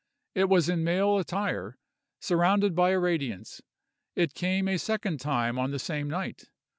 It was in male attire, surrounded by a radiance; it came a second time on the same night.